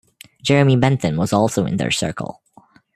Jeremy Bentham was also in their circle.